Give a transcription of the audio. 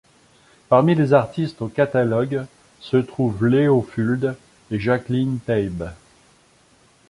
Parmi les artistes au catalogue se trouvent Leo Fuld et Jacqueline Taieb.